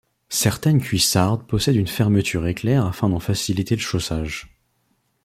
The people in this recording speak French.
Certaines cuissardes possèdent une fermeture éclair afin d'en faciliter le chaussage.